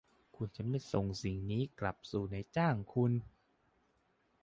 คุณจะไม่ส่งสิ่งนี้กลับสู่นายจ้างคุณ ?